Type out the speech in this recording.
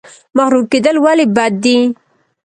مغرور کیدل ولې بد دي؟